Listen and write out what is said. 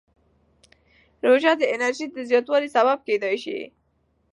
روژه د انرژۍ د زیاتوالي سبب کېدای شي.